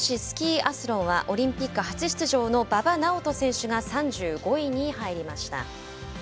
スキーアスロンはオリンピック初出場の馬場直人選手が３５位に入りました。